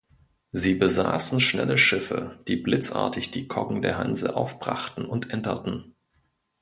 Sie besaßen schnelle Schiffe, die blitzartig die Koggen der Hanse aufbrachten und enterten.